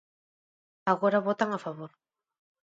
Agora votan a favor.